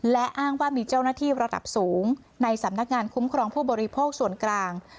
และอ้างว่ามีเจ้าหน้าที่ระดับสูงในสำนักงานคุ้มครองผู้บริโภคส่วนกลาง